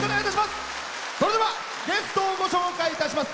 それではゲストをご紹介いたします。